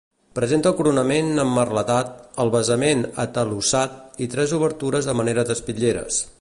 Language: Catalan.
Presenta el coronament emmerletat, el basament atalussat i tres obertures a manera d'espitlleres.